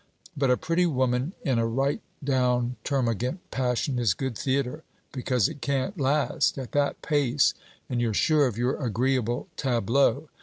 But a pretty woman in a right down termagant passion is good theatre; because it can't last, at that pace; and you're sure of your agreeable tableau.